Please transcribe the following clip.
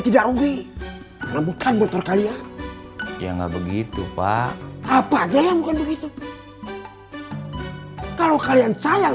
tidak rugi bukan motor kalian ya nggak begitu pak apa aja yang bukan begitu kalau kalian sayang